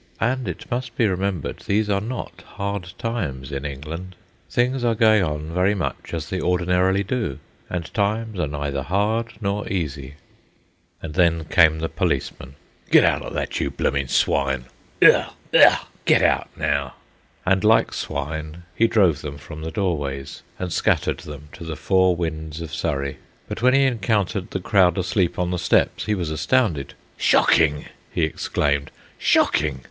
And, it must be remembered, these are not hard times in England. Things are going on very much as they ordinarily do, and times are neither hard nor easy. And then came the policeman. "Get outa that, you bloomin' swine! Eigh! eigh! Get out now!" And like swine he drove them from the doorways and scattered them to the four winds of Surrey. But when he encountered the crowd asleep on the steps he was astounded. "Shocking!" he exclaimed. "Shocking!